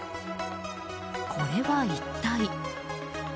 これは一体？